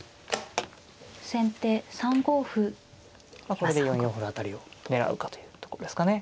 これで４四歩の辺りを狙うかというとこですかね。